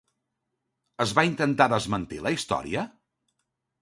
Es va intentar desmentir la història?